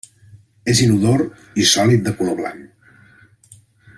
És inodor i sòlid de color blanc.